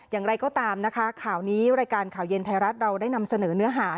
อย่างไรก็ตามนะคะข่าวนี้รายการข่าวเย็นไทยรัฐเราได้นำเสนอเนื้อหา